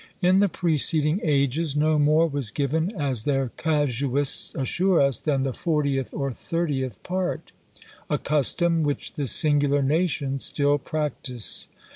In the preceding ages no more was given, as their casuists assure us, than the fortieth or thirtieth part; a custom which this singular nation still practise.